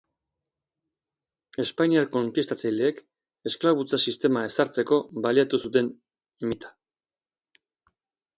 Espainiar konkistatzaileek esklabotza sistema ezartzeko baliatu zuten mita.